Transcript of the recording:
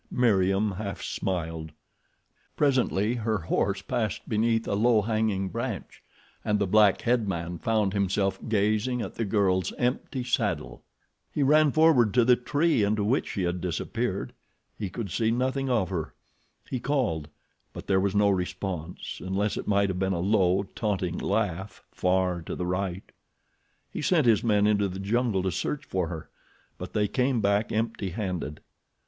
Meriem half smiled. Presently her horse passed beneath a low hanging branch, and the black headman found himself gazing at the girl's empty saddle. He ran forward to the tree into which she had disappeared. He could see nothing of her. He called; but there was no response, unless it might have been a low, taunting laugh far to the right. He sent his men into the jungle to search for her; but they came back empty handed.